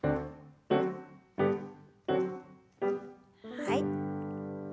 はい。